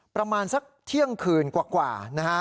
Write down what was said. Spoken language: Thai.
ประมาณสักเที่ยงคืนกว่านะฮะ